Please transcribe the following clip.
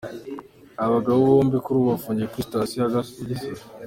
Aba bagabo bombi kuri ubu bafungiye kuri sitasiyo ya Gisozi.